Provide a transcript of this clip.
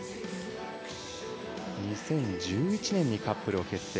２０１１年にカップルを結成。